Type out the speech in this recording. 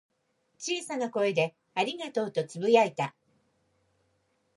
小さな声で「ありがとう」とつぶやいた。